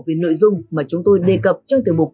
về nội dung mà chúng tôi đề cập trong tiểu mục